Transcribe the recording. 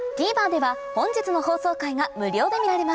ＴＶｅｒでは本日の放送回が無料で見られます